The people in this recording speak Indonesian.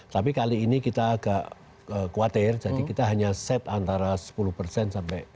tapi kali ini kita agak khawatir jadi kita hanya set antara sepuluh persen sampai